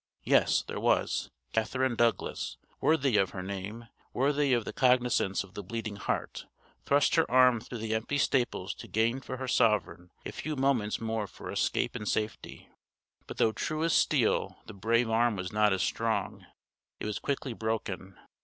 Yes, there was. Catherine Douglas, worthy of her name, worthy of the cognizance of the bleeding heart, thrust her arm through the empty staples to gain for her sovereign a few moments more for escape and safety! But though true as steel, the brave arm was not as strong. It was quickly broken.